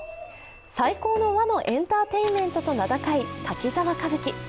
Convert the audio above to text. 最高の和のエンターテインメントと名高い「滝沢歌舞伎」。